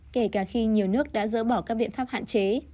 kể cả khi nhiều nước đã dỡ bỏ các biện pháp hạn chế